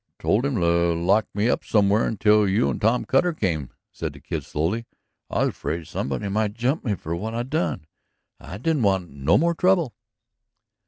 "I told him to lock me up somewhere until you or Tom Cutter come," said the Kid slowly. "I was afraid somebody might jump me for what I done. I didn't want no more trouble."